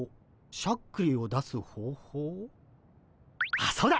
あっそうだ。